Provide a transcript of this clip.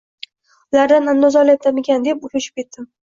Ulardan andoza olmayaptimikan, deb cho‘chib ketdim.